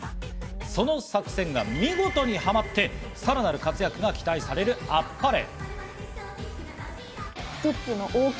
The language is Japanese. その作戦が見事にハマって、さらなる活躍が期待されるＡｐｐａｒｅ！。